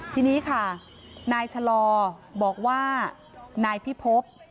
ทีนี้ค่ะนายชะลอบอกว่านายพิพบ